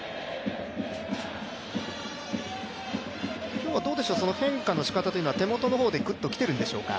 今日は変化のしかたというのは手元の方でぐっときてるんでしょうか？